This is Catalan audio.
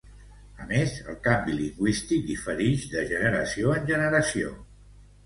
A més, el canvi lingüístic diferix de generació en generació.